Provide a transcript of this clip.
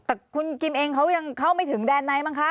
แต่คุณกิมเองเขายังเข้าไม่ถึงแดนไนท์มั้งคะ